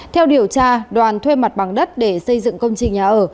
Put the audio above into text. theo điều tra đoàn thuê mặt bằng đất để xây dựng công trình nhà ở